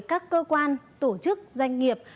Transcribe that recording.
các cơ quan tổ chức doanh nghiệp